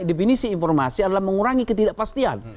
definisi informasi adalah mengurangi ketidakpastian